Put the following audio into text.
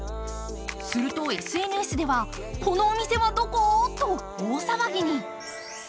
すると、ＳＮＳでは、このお店はどこ？と大騒ぎに。